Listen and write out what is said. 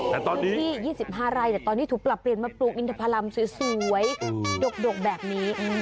แต่ตอนนี้อยู่ที่๒๕ไร่แต่ตอนนี้ถูกปรับเปลี่ยนมาปลูกอินทพลัมสวยดกแบบนี้